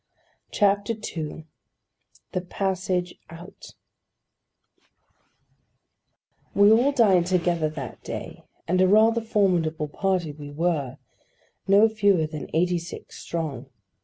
CHAPTER II THE PASSAGE OUT WE all dined together that day; and a rather formidable party we were: no fewer than eighty six strong.